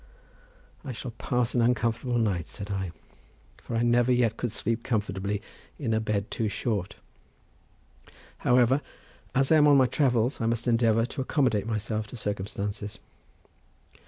"I shall pass an uncomfortable night," said I, "for I never yet could sleep comfortably in a bed too short. However, as I am on my travels, I must endeavour to accommodate myself to circumstances."